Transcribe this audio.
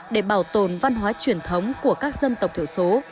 để bảo tồn văn hóa truyền thống của các dân tộc thiểu số